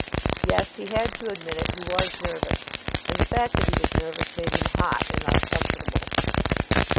Yes, he had to admit it he was nervous: and the fact that he was nervous made him hot and uncomfortable.